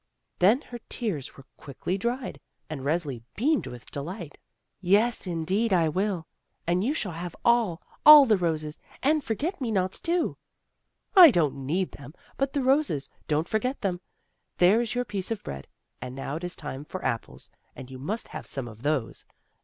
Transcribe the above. Then her tears were quickly dried, and Resli beamed with delight. 32 THE ROSE CHILD "Yes, indeed, I will; and you shall have all, all the roses, and forget me nots, too." "I don't need them; but the roses — don't for get them ! There is your piece of bread, and now it is time for apples, and you must have some of those.